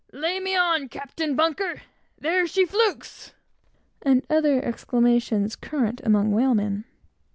"Lay me on, Captain Bunker!" "There she flukes!" and other exclamations, peculiar to whalemen.